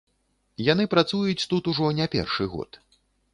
Яны працуюць тут ужо не першы год.